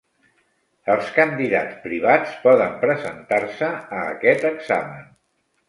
Els candidats privats poden presentar-se a aquest examen.